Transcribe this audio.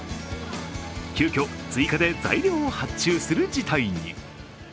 急きょ、追加で材料を発注する事態に。